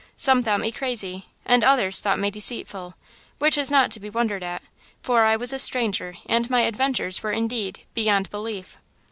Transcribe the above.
some thought me crazy and others thought me deceitful, which is not to be wondered at, for I was a stranger and my adventures were, indeed, beyond belief.